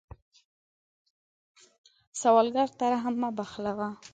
سوالګر ته رحم مه بخلوه